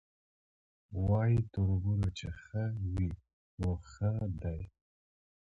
وایي تربور چي ښه وي نو ښه دی